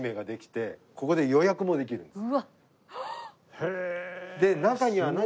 へえ。